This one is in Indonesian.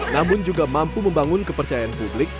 namun juga mampu membangun kepercayaan publik